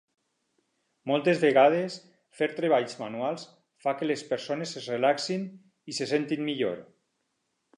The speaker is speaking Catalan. Moltes vegades fer treballs manuals fa que les persones es relaxin i se sentin millor.